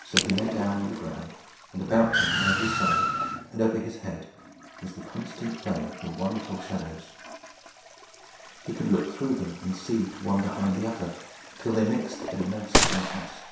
So he lay down on the ground, and about him on every side, and over his head, was the constant play of the wonderful shadows. He could look through them, and see the one behind the other, till they mixed in a mass of darkness.